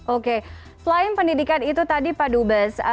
oke selain pendidikan itu tadi pak dubes